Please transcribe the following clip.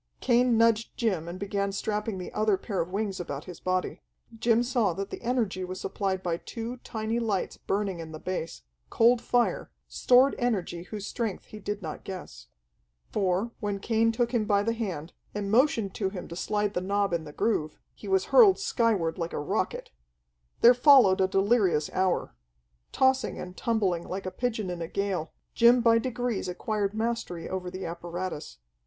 Cain nudged Jim and began strapping the other pair of wings about his body. Jim saw that the energy was supplied by two tiny, lights burning in the base, cold fire, stored energy whose strength he did not guess. For, when Cain took him by the hand, and motioned to him to slide the knob in the groove, he was hurled skyward like a rocket. There followed a delirious hour. Tossing and tumbling like a pigeon in a gale, Jim by degrees acquired mastery over the apparatus.